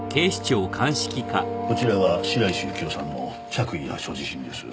こちらが白石幸生さんの着衣や所持品です。